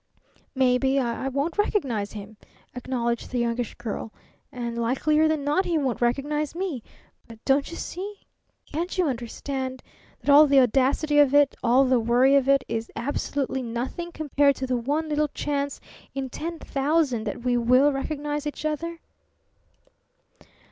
"Maybe I won't recognize him," acknowledged the Youngish Girl, "and likelier than not he won't recognize me; but don't you see? can't you understand? that all the audacity of it, all the worry of it is absolutely nothing compared to the one little chance in ten thousand that we will recognize each other?"